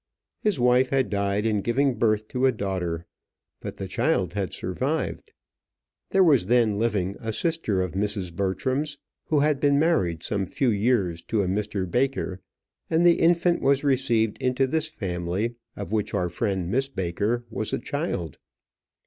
His wife had died in giving birth to a daughter, but the child had survived. There was then living a sister of Mrs. Bertram's, who had been married some few years to a Mr. Baker, and the infant was received into this family, of which our friend Miss Baker was a child.